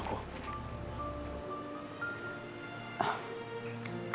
dia belum bisa maafin aku